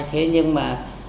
thế nhưng mà